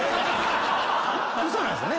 嘘なんですよね